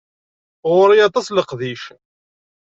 Ɣuṛ-i aṭas n leqdic.